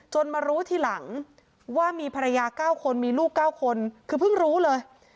มารู้ทีหลังว่ามีภรรยา๙คนมีลูก๙คนคือเพิ่งรู้เลย